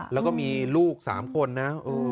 แล้วก็มีลูก๓คนนะ